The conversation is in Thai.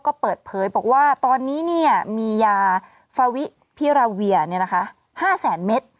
ก็เปิดเผยบอกว่าตอนนี้มียาฟาวิพิราเวีย๕แสนเมตร